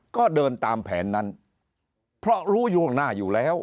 ก็เดินตามแผนนั้นเพราะรู้อยู่ข้างหน้าอยู่แล้ว